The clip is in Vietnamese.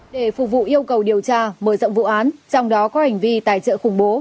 để phục vụ yêu cầu điều tra mở rộng vụ án trong đó có hành vi tài trợ khủng bố